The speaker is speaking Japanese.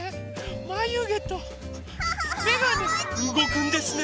まゆげとめがねうごくんですね。